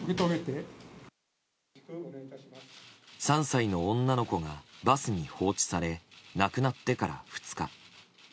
３歳の女の子がバスに放置され亡くなってから２日。